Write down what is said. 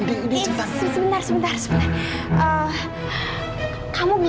itu sebentar sebentarknown